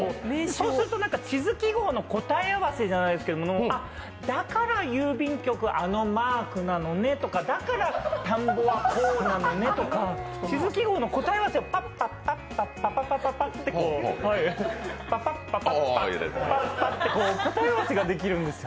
そうすると地図記号の答え合わせじゃないですけど、あっ、だから郵便局、あのマークなのねとかだから、田んぼはこうなのねとか、地図記号の答え合わせをパッパッパと、パパッパパッパパッパってこう、答え合わせできるんです。